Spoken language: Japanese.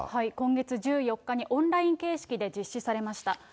今月１４日にオンライン形式で実施されました。